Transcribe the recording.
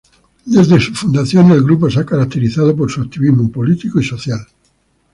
Desde su fundación el grupo se ha caracterizado por su activismo político y social.